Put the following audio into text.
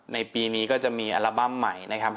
ในปีนี้ก็จะมีอัลบั้มใหม่นะครับ